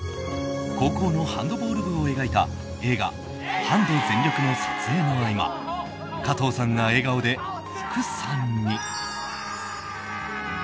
高校のハンドボール部を描いた映画「＃ハンド全力」の撮影の合間加藤さんが笑顔で福さんに。